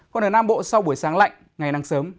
còn ở nam bộ sau buổi sáng lạnh ngày nắng sớm